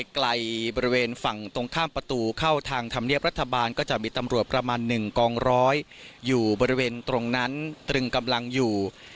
ไกลบริเวณฝั่งตรงข้ามประตูเข้าทางธรรมเนียบรัฐบาลก็จะมีตำรวจประมาณ๑กองร้อยอยู่บริเวณตรงนั้นตรึงกำลังอยู่